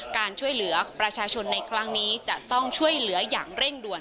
การช่วยเหลือประชาชนในครั้งนี้จะต้องช่วยเหลืออย่างเร่งด่วน